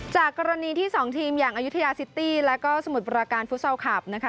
จากกรณีที่๒ทีมอย่างอายุทยาซิตี้แล้วก็สมุทรปราการฟุตซอลคลับนะคะ